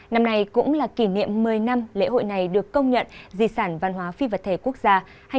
năm này cũng là kỷ niệm một mươi năm lễ hội này được công nhận dị sản văn hóa phi vật thể quốc gia hai nghìn một mươi bốn hai nghìn hai mươi bốn